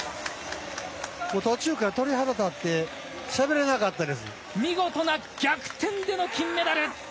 途中から鳥肌立って見事な逆転での金メダル。